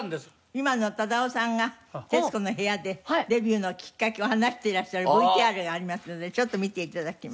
今のを忠夫さんが『徹子の部屋』でデビューのきっかけを話していらっしゃるＶＴＲがありますのでちょっと見て頂きます。